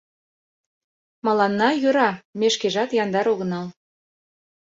— Мыланна йӧра, ме шкежат яндар огынал.